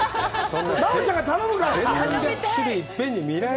奈緒ちゃんが頼むから！